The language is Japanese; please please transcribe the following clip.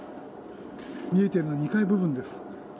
見えているのは２階部分です。